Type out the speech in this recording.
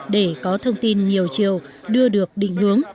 để có thông tin nhiều chiều đưa được định hướng